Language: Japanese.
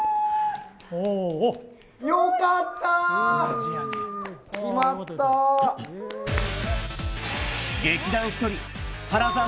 よかったー！